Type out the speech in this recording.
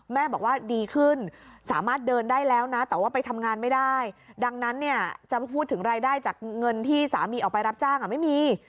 แม่บอกว่าดีขึ้นสามารถเดินได้แล้วนะแต่ว่าไปทำงานไม่ได้ดังนั้นเนี่ยจะพูดถึงรายได้จากเงินที่สามีออกไปรับจ้างไม่มี